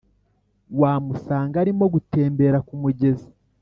wamusanga arimo gutembera kumugezi;